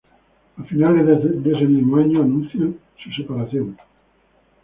A finales de ese mismo año, anuncian su separación.